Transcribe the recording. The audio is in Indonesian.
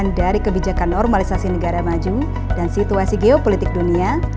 bagian dari kebijakan normalisasi negara maju dan situasi geopolitik dunia